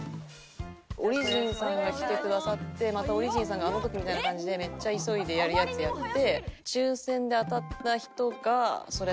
オリジンさんが来てくださってまたオリジンさんがあの時みたいな感じでめっちゃ急いでやるやつやって。